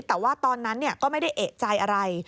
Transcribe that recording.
แต่ว่าตอนนั้นก็ไม่ได้เอกใจอะไร